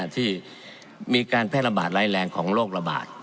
ที่มีการแพร่ระบาดร้ายแรงของโรคระบาด